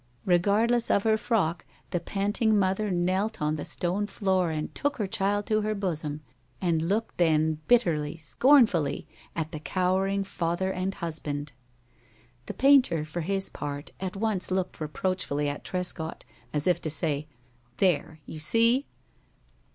Regardless of her frock, the panting mother knelt on the stone floor and took her child to her bosom, and looked, then, bitterly, scornfully, at the cowering father and husband. The painter, for his part, at once looked reproachfully at Trescott, as if to say: "There! You see?"